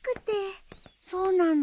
そうなの？